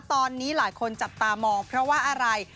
ตอนนี้หลายคนจับตามองเพราะว่าอะไร